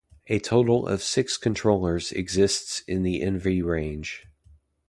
A total of six controllers exists in the Envy range.